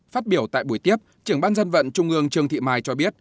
phát biểu tại buổi tiếp trưởng ban dân vận trung ương trương thị mai cho biết